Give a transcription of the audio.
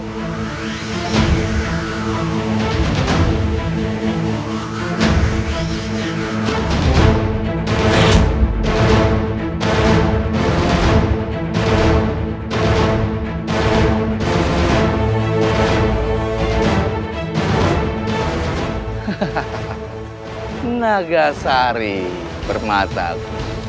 hahaha nagasari bermataku